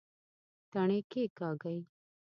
تڼي کېکاږئ